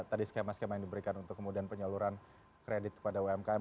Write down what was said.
tadi skema skema yang diberikan untuk kemudian penyaluran kredit kepada umkm